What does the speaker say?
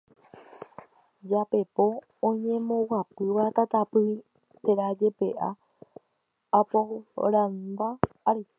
japepo oñemboguapýva tatapỹi térã jepe'a akuporãva ári.